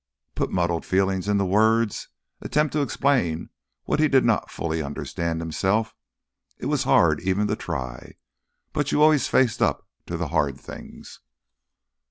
Put muddled feelings into words, attempt to explain what he did not fully understand himself? It was hard even to try, but you always faced up to the hard things.